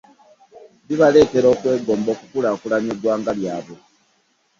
Bibaleetera okwegomba okukulaakulanya eggwanga lyabwe.